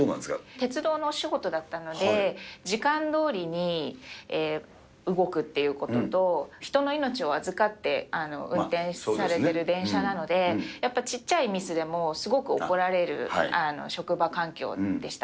鉄道のお仕事だったので、時間どおりに動くということと、人の命を預かって運転されてる電車なので、やっぱりちっちゃいミスでもすごく怒られる職場環境でした。